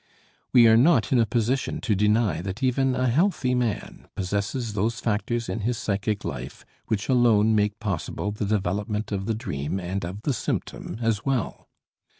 We are not in a position to deny that even a healthy man possesses those factors in his psychic life which alone make possible the development of the dream and of the symptom as well.